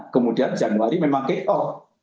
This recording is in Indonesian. kemudian januari memang k o